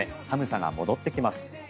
寒さが戻ってきます。